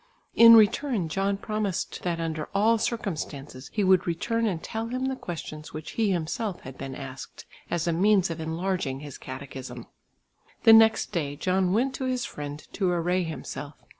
In return John promised that under all circumstances he would return and tell him the questions which he himself had been asked, as a means of enlarging his catechism. The next day John went to his friend to array himself.